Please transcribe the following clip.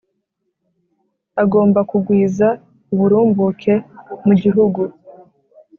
agomba kugwiza uburumbuke mu gihugu.